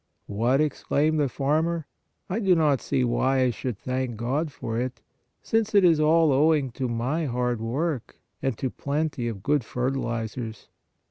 " What !" exclaimed the farmer ;" I do not see why I should thank God for it, since it is all owing to my hard work and to plenty of good fertilizers."